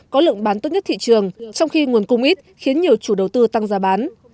có lượng bán tốt nhất thị trường trong khi nguồn cung ít khiến nhiều chủ đầu tư tăng giá bán